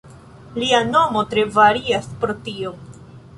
Lia nomo tre varias pro tio.